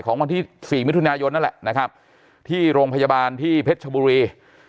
วันที่สี่มิถุนายนนั่นแหละนะครับที่โรงพยาบาลที่เพชรชบุรี